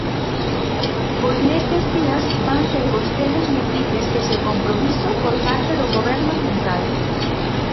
Pois nestes días van ter vostedes noticias dese compromiso por parte do Goberno central.